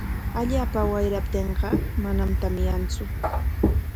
Allaapa wayraptinqa manam tamyantsu.